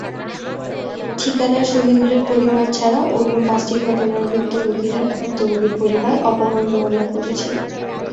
ঠিকাদার শহীদুলের পরিবার ছাড়া অন্য পাঁচটি ঘটনায় ভুক্তভোগীর পরিবার অপহরণ মামলা করেছে।